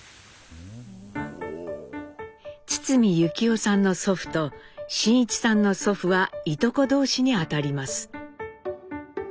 堤由紀夫さんの祖父と真一さんの祖父はいとこ同士にあたります。